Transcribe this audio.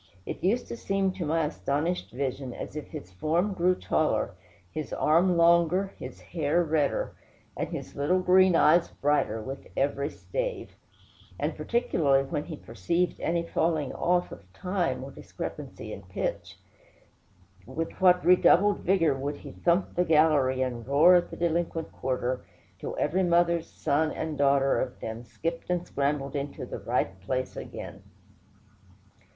It used to seem to my astonished vision as if his form grew taller, his arm longer, his hair redder, and his little green eyes brighter, with every stave; and particularly when he perceived any falling off of time or discrepancy in pitch; with what redoubled vigor would he thump the gallery and roar at the delinquent quarter, till every mother's son and daughter of them skipped and scrambled into the right place again!